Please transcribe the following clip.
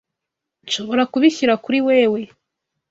Nshobora kubishyira kuri wewe?